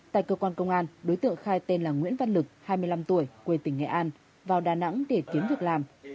tại cơ quan công an đối tượng khai tên là nguyễn văn lực hai mươi năm tuổi quê tỉnh nghệ an vào đà nẵng để kiếm việc làm